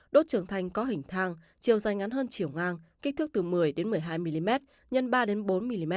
đốt trưởng thành có hình thang chiều dài ngắn hơn chiều ngang kích thước từ một mươi một mươi hai mm x ba bốn mm